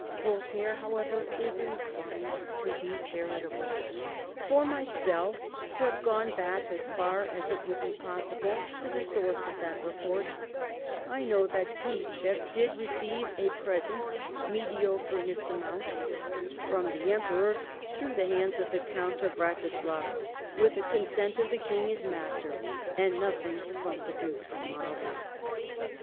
Voltaire, however, is inclined to be charitable, ' for myself, who have gone back as far as it would be possible to the source of that report, I know that Piper did receive a present, mediocre in its amount, from the Emperor through the hands of the Count of Wratislau, with the consent of the King his master, and nothing from the Duke of Marlborough.'